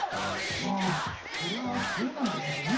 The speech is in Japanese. まぁそりゃそうなんだけどね。